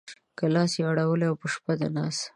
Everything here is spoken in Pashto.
لاس يې اړولی و په شپه د ناز